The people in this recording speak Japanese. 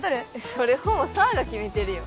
それほぼ紗羽が決めてるよ